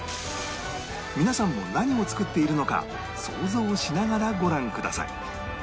皆さんも何を作っているのか想像しながらご覧ください